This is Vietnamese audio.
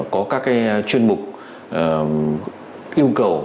có các chuyên mục yêu cầu